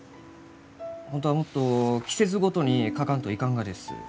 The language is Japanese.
本当はもっと季節ごとに描かんといかんがです。